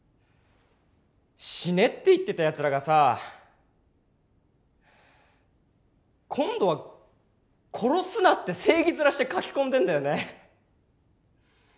死ねって言ってたやつらがさ今度は殺すなって正義面して書き込んでんだよね。